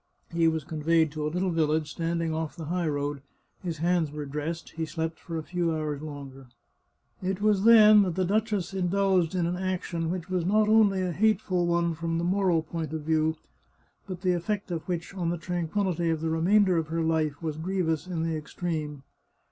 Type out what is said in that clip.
He was conveyed to a little village, standing ofif the high road, his hands were dressed ; he slept for a few hours longer. It was at this village that the duchess indulged in an action which was not only a hateful one from the moral point of view, but the effect of which on the tranquillity of the remainder of her life was grievous in the extreme.